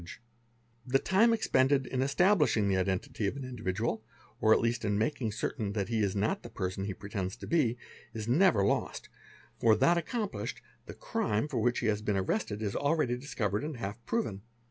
Lay, TRA RAMEE, ASP REBEAS mS The time expended in establishing the identity of an individual, or at ast in making certain that he is not the person he pretends to be, is ever lost, for, that accomplished, the crime for which he has been ested is already discovered and half proven.